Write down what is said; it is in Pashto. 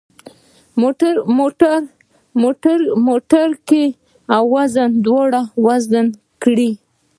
موټرګی او وزنه دواړه وزن کړئ.